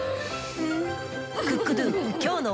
うん！